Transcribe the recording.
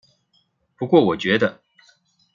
不過我覺得